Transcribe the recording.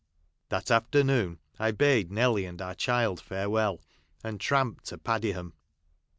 That afternoon I bade Nelly and our child farewell, and tramped to Padiham.